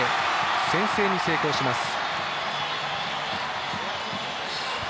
先制に成功します。